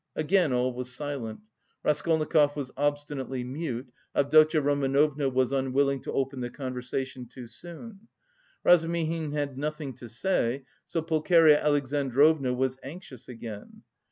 Again all was silent; Raskolnikov was obstinately mute, Avdotya Romanovna was unwilling to open the conversation too soon. Razumihin had nothing to say, so Pulcheria Alexandrovna was anxious again.